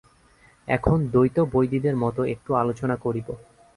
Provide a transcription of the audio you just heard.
এখন দ্বৈতবৈদীদের মত একটু আলোচনা করিব।